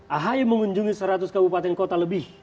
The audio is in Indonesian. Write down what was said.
ahy mengunjungi seratus kabupaten kota lebih